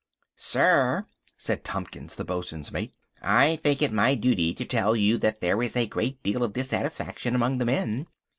"Sir," said Tompkins, the bosun's mate, "I think it my duty to tell you that there is a great deal of dissatisfaction among the men."